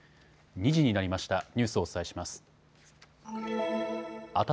２時になりました。